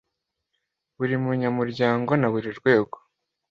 buri munyamuryango na buri rwego